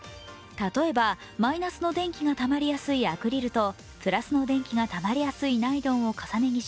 例えばマイナスの電気がたまりやすいアクリルとプラスの電気がたまりやすいナイロンを重ね着し